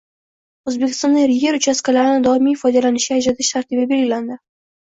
O‘zbekistonda yer uchastkalarini doimiy foydalanishga ajratish tartibi belgilandi